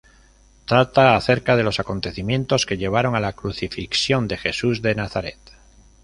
Trata acerca de los acontecimientos que llevaron a la crucifixión de Jesús de Nazaret.